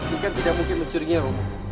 bukan tidak mungkin mencurinya romo